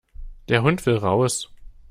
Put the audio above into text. Der Hund will raus.